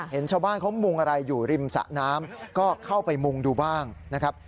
เห็นชาวบ้านเขามุงอะไรอยู่ริมสะน้ำก็เข้าไปมุงดูบ้างนะครับ